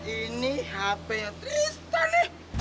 ini handphone tristan nih